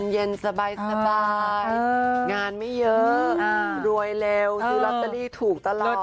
เย็นสบายงานไม่เยอะรวยเร็วซื้อลอตเตอรี่ถูกตลอด